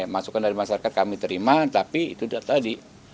masukan dari masyarakat kami terima tapi itu tadi